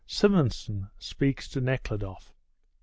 SIMONSON SPEAKS TO NEKHLUDOFF.